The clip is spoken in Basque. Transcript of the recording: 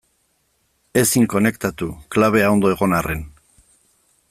Ezin konektatu, klabea ondo egon arren.